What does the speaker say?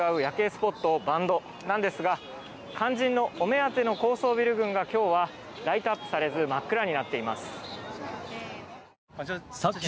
スポット外灘なんですが肝心のお目当ての高層ビル群が今日はライトアップされず真っ暗になっています。